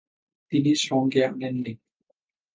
তিনি সঙ্গে আনেন নি।